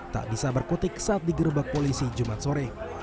tak bisa berkutik saat digerebek polisi jumat sore